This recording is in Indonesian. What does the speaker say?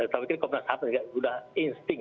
tapi komnas ham sudah insting